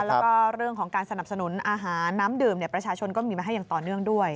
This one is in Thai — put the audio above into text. แล้วก็เรื่องของการสนับสนุนอาหารน้ำดื่มประชาชนก็มีมาให้อย่างต่อเนื่องด้วย